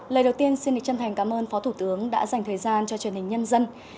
lời đầu tiên xin chân thành cảm ơn phó thủ tướng đã dành thời gian cho truyền hình nhân dân